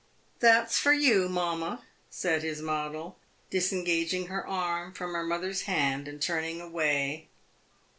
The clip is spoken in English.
"That 's for you, mamma," said his model, disengaging her arm from her mother's hand and turning away.